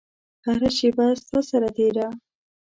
هره شیبه ستا سره تیره